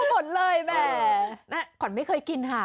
ควัญไม่เคยกินค่ะ